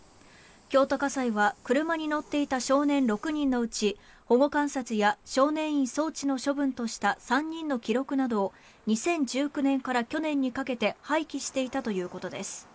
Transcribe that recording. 京都家裁は車に乗っていた少年６人のうち保護観察や少年院送致の処分とした３人の記録などを２０１９年から去年にかけて廃棄していたということです。